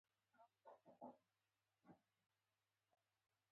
جهاني صاحب پر قلم مو برکت شه.